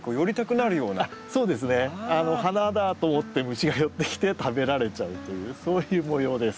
花だと思って虫が寄ってきて食べられちゃうというそういう模様です。